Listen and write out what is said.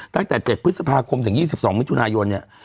ตั้งแต่๗พฤษภาคมถึง๒๒มิถุนายนเนี่ย